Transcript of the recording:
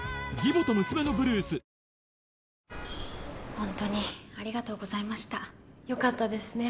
ホントにありがとうございましたよかったですね